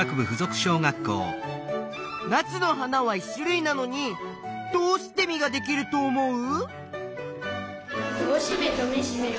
ナスの花は１種類なのにどうして実ができると思う？